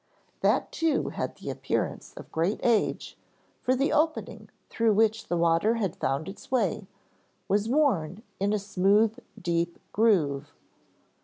That too had the appearance of great age for the opening through which the water had found its way, was worn in a smooth, deep groove.